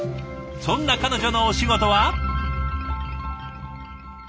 そんな彼女のお仕事は。